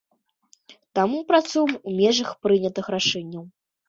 Таму працуем у межах прынятых рашэнняў.